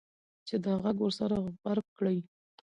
چې دا غږ ورسره غبرګ کړي.